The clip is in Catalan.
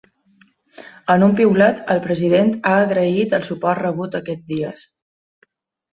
En un piulet, el president ha agraït el suport rebut aquests dies.